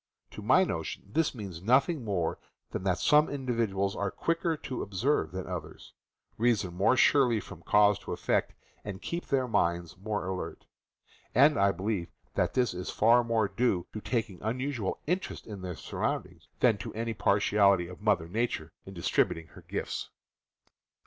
To my notion this means nothing more than that some individuals are quicker to observe than others, reason more surely from cause to effect, and keep their minds more alert; and I be lieve that this is far more due to their taking unusual interest in their surroundings than to any partiality of Mother Nature in distributing her gifts.